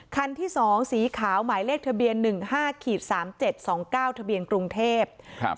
คันที่สองสีขาวหมายเลขทะเบียนหนึ่งห้าขีดสามเจ็ดสองเก้าทะเบียนกรุงเทพครับ